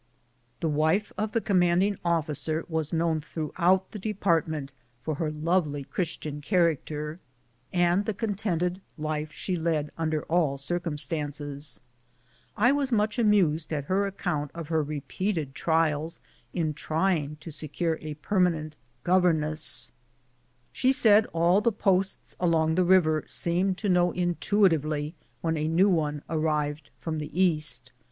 The wife of the commanding officer was known throughout the department for her lovely Christian character, and the contented life she led under all cir cumstances. I was much amused at her account of her repeated trials in trying to secure a permanent govern 72 BOOTS AND SADDLES. ess. She said all the posts along the river seemed to know intuitively when a new one arrived from the East.